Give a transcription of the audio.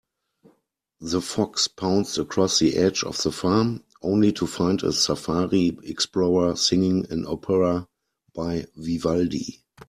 The fox pounced across the edge of the farm, only to find a safari explorer singing an opera by Vivaldi.